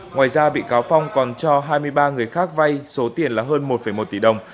ngoài ra bị cáo phong còn cho hai mươi ba người khác vay số tiền là hơn một một tỷ đồng